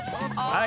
ああ！